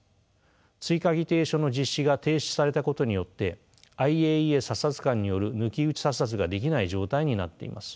追加議定書の実施が停止されたことによってＩＡＥＡ査察官による抜き打ち査察ができない状態になっています。